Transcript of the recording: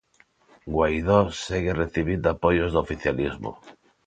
Guaidó segue recibindo apoios do oficialismo.